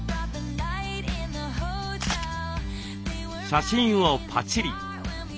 写真をパチリ。